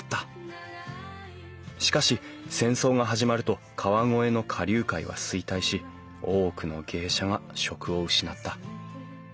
しかし戦争が始まると川越の花柳界は衰退し多くの芸者が職を失った。